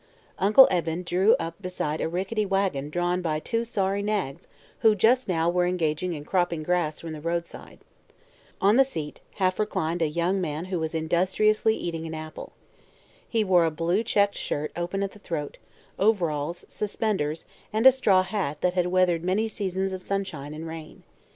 Uncle Eben drew up beside a rickety wagon drawn by two sorry nags who just now were engaged in cropping grass from the roadside. On the seat half reclined a young man who was industriously eating an apple. He wore a blue checked shirt open at the throat, overalls, suspenders and a straw hat that had weathered many seasons of sunshine and rain.